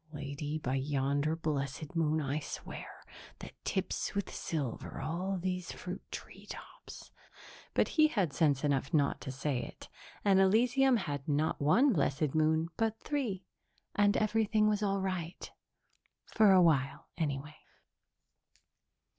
"Lady, by yonder blessed moon I swear, that tips with silver all these fruit tree tops".... But he had sense enough not to say it, and Elysium had not one blessed moon, but three, and everything was all right. For a while anyway.